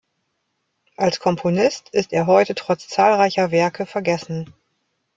Als Komponist ist er heute trotz zahlreicher Werke vergessen.